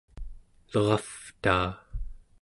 leravtaa